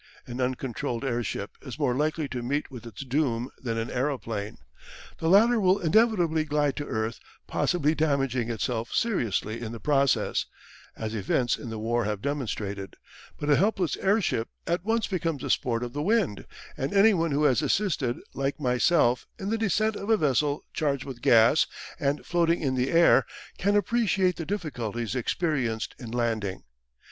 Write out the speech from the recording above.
An uncontrolled airship is more likely to meet with its doom than an aeroplane. The latter will inevitably glide to earth, possibly damaging itself seriously in the process, as events in the war have demonstrated, but a helpless airship at once becomes the sport of the wind, and anyone who has assisted, like myself, in the descent of a vessel charged with gas and floating in the air, can appreciate the difficulties experienced in landing.